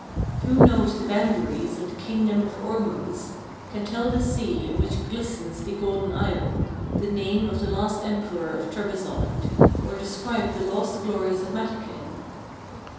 Who knows the boundaries of the kingdom of Ormuz ; can tell the sea in which glistens the Golden Isle ; the name of the last emperor of Trebizonde, or describe the lost glories of Mataquin